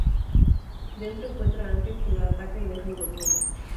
Dentro encuentra a Ángel quien la ataca y deja inconsciente.